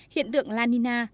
hiện tượng la nina